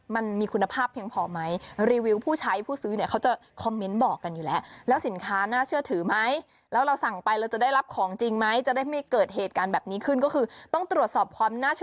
มันมีคุณภาพเพียงพอไหม